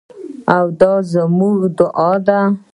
او دا زموږ دعا ده.